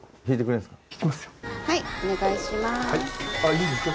いいですか？